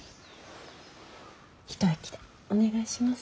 一息でお願いします。